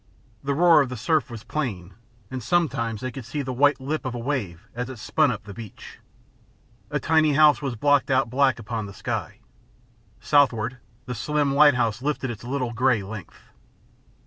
The roar of the surf was plain, and sometimes they could see the white lip of a wave as it spun up the beach. A tiny house was blocked out black upon the sky. Southward, the slim lighthouse lifted its little grey length.